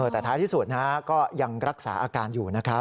แต่ท้ายที่สุดก็ยังรักษาอาการอยู่นะครับ